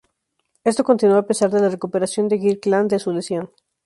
Esto continuó a pesar de la recuperación de Kirkland de su lesión.